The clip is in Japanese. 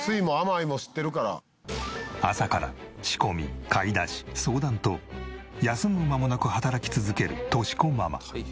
朝から仕込み買い出し相談と休む間もなく働き続ける敏子ママ。